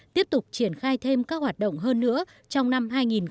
tiếp tục triển khai thêm các hoạt động hơn nữa trong năm hai nghìn một mươi bảy